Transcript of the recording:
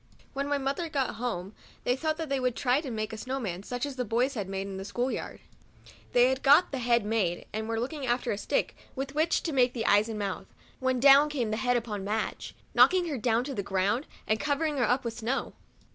Whem my mother got home, they thought that they would try and make a snow man, such as the boys had made in the school yard. 52 MEMOIRS OF A They had got the head made, and were looking after a stick with which to make the eyes and mouth, when down came the head upon Madge, knocking her down to the ground, and covering her up with snow.